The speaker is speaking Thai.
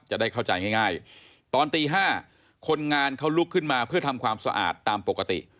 จะได้เข้าใจง่ายตอนตี๕คนงานเขาลุกขึ้นมาเพื่อทำความสะอาดตามปกติ